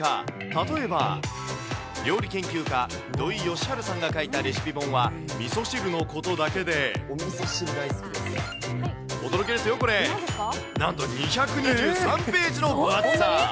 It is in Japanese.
例えば、料理研究家、土井善晴さんが書いたレシピ本は、みそ汁のことだけで、驚きですよ、これ、なんと２２３ページの分厚さ。